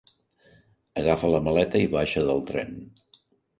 Agafa la maleta i baixa del tren.